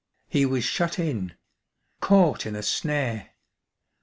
He was shut in j caught in a snare.